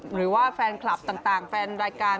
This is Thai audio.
หรือว่าแฟนคลับต่างแฟนรายการ